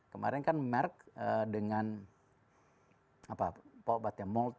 kemarin kan merck dengan apa obatnya